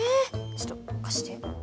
ちょっと貸して。